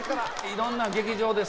いろんな劇場で。